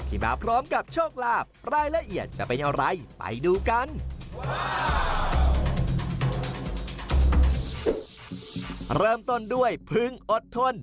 ที่มาพร้อมกับโชคลาบรายละเอียดจะเป็นอะไรไปดูกัน